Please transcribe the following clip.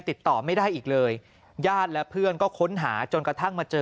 ติดต่อไม่ได้อีกเลยญาติและเพื่อนก็ค้นหาจนกระทั่งมาเจอ